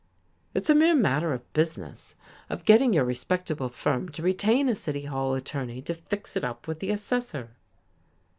It's a mere matter of business, of getting your respectable firm to retain a City Hall attorney to fix it up with the assessor."